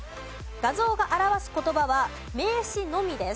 画像が表す言葉は名詞のみです。